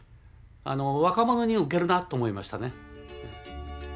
若者に受けるなと思いましたね。